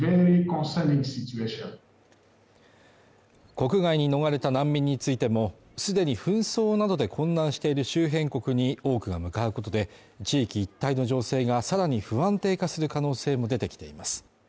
国外に逃れた難民についても、既に紛争などで混乱している周辺国に多くが向かうことで、地域一帯の情勢がさらに不安定化する可能性も出てきています。